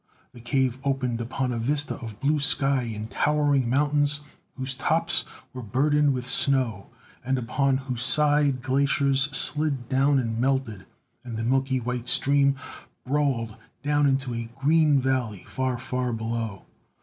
The cave opened upon a vista of blue sky and towering mountains whose tops were burdened with snow and upon whose sides glaciers slid down and melted; and the milky white stream brawled down into a green valley, far, far below.